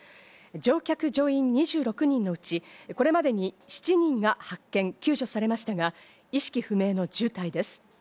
乗客乗員２６人のうち、これまでに７人が発見・救助されましたが、意識不明の重体です。